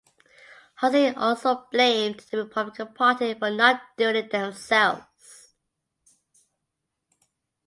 Hotze also blamed the Republican Party for not doing it themselves.